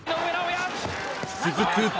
［続く］